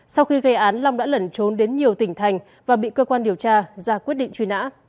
sau khi gây án long đã lẩn trốn đến nhiều tỉnh thành và bị cơ quan điều tra ra quyết định truy nã